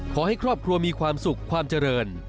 ขอให้ครอบครัวมีความสุขความเจริญ